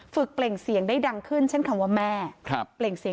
ฝึกเปล่งเสียงได้ดังขึ้นเช่นคำว่าแม่ครับ